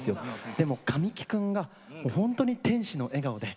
でも神木君が本当に天使の笑顔で。